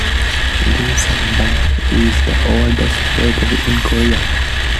Lee Sung Dang is the oldest bakery in Korea.